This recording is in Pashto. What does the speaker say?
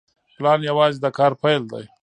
پلان یوازې د کار پیل دی.